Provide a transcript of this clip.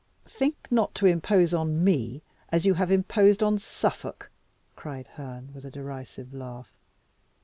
"Think not to impose on me as you have imposed on Suffolk!" cried Herne, with a derisive laugh.